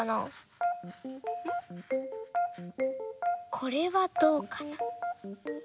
これはどうかな？